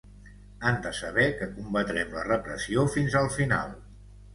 Han de saber que combatrem la repressió fins al final.